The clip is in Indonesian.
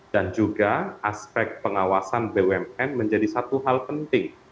dan juga aspek pengawasan bumn menjadi satu hal penting